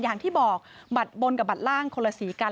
อย่างที่บอกบัตรบนกับบัตรล่างคนละสีกัน